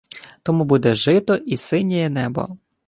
Тому буде жито і синєє небо